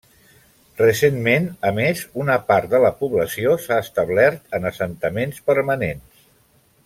Recentment, a més, una part de la població s’ha establert en assentaments permanents.